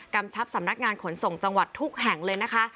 ชับสำนักงานขนส่งจังหวัดทุกแห่งเลยนะคะ